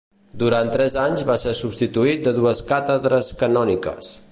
Durant tres anys va ser substitut de dues càtedres canòniques.